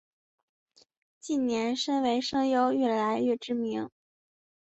近年身为声优愈来愈知名。